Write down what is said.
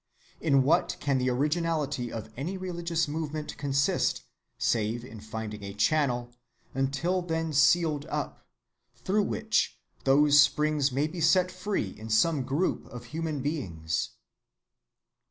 In what can the originality of any religious movement consist, save in finding a channel, until then sealed up, through which those springs may be set free in some group of human beings?